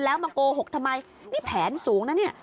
แล้วมาโกหกทำไมนี่แผนสูงนะเนี่ย